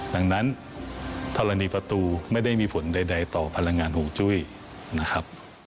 ดังนั้นธรณีประตูไม่ได้มีผลใดต่อพลังงานห่วงจุ้ยนะครับ